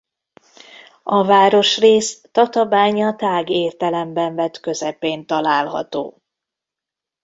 A városrész Tatabánya tág értelemben vett közepén található.